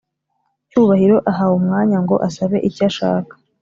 cyubahiro ahawe umwanya ngo asabe icyashaka